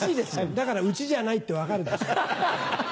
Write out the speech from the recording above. だからうちじゃないって分かるでしょ？